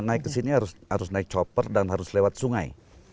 naik ke sini harus naik chopper dan harus lewat sungai